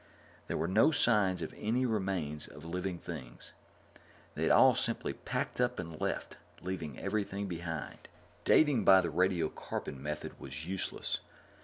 There were no signs of any remains of living things. They'd all simply packed up and left, leaving everything behind. Dating by the radiocarbon method was useless.